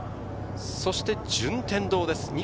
そして順天堂です。